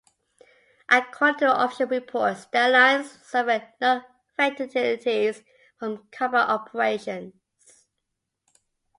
According to official reports, the alliance suffered no fatalities from combat operations.